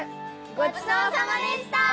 ごちそうさまでした！